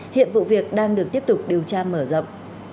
hiện vụ việc đang được tiếp tục điều tra mở rộng